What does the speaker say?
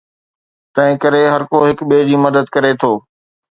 تنهنڪري هرڪو هڪ ٻئي جي مدد ڪري ٿو.